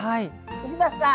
牛田さん